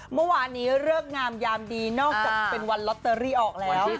เมื่อวานนี้เลิกงามยามดีนอกจากเป็นวันลอตเตอรี่ออกแล้ว